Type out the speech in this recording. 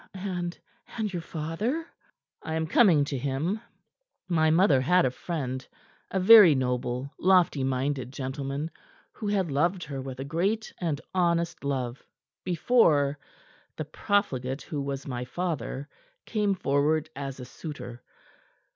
"And and your father?" "I am coming to him. My mother had a friend a very noble, lofty minded gentleman who had loved her with a great and honest love before the profligate who was my father came forward as a suitor.